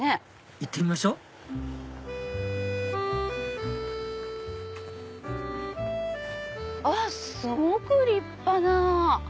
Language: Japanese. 行ってみましょあっすごく立派な。